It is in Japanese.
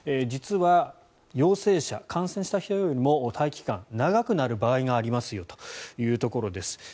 実は陽性者、感染した人よりも待機期間が長くなる場合がありますよというところです。